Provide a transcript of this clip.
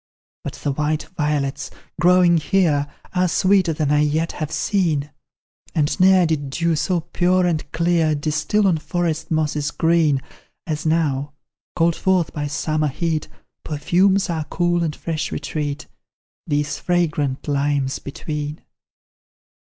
But the white violets, growing here, Are sweeter than I yet have seen, And ne'er did dew so pure and clear Distil on forest mosses green, As now, called forth by summer heat, Perfumes our cool and fresh retreat These fragrant limes between.